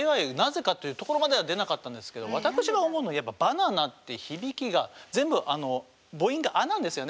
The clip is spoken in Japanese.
「なぜか」というところまでは出なかったんですけど私が思うのはやっぱバナナって響きが全部母音が「あ」なんですよね。